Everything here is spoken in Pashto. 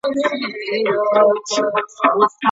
ولي مدام هڅاند د تکړه سړي په پرتله بریا خپلوي؟